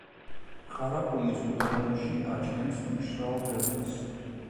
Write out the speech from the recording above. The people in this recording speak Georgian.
ყარაყუმის უდაბნოში აჩენს მშრალ დელტას.